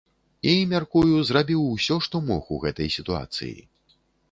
І, мяркую, зрабіў усё, што мог у гэтай сітуацыі.